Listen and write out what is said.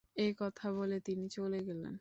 এ কথা বলে তিনি চলে গেলেন।